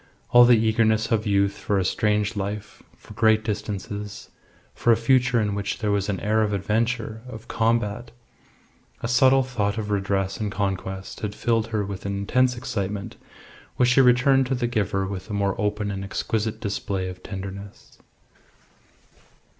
All the eagerness of youth for a strange life, for great distances, for a future in which there was an air of adventure, of combat a subtle thought of redress and conquest, had filled her with an intense excitement, which she returned to the giver with a more open and exquisite display of tenderness.